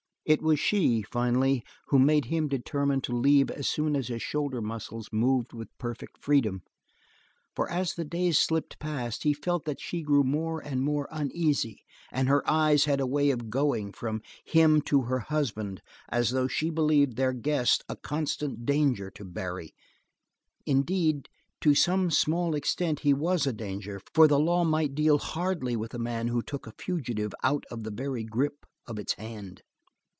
It was she, finally, who made him determine to leave as soon as his shoulder muscles moved with perfect freedom, for as the days slipped past he felt that she grew more and more uneasy, and her eyes had a way of going from him to her husband as though she believed their guest a constant danger to Barry. Indeed, to some small extent he was a danger, for the law might deal hardly with a man who took a fugitive out of the very grip of its hand.